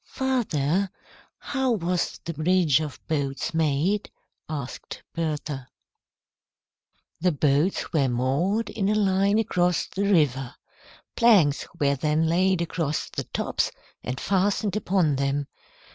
"Father, how was the bridge of boats made?" asked Bertha. "The boats were moored in a line across the river. Planks were then laid across the tops and fastened upon them.